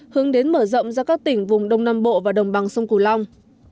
hướng đến mở rộng ra các tỉnh vùng đông nam bộ và đồng bằng sông cửu long